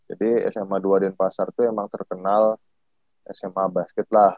jadi sma dua denpasar tuh emang terkenal sma basket lah